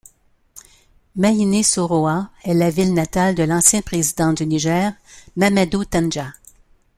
Maïné-Soroa est la ville natale de l'ancien président du Niger Mamadou Tandja.